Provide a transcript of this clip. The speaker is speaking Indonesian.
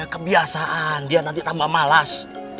kebiasaan dia nanti tambah malas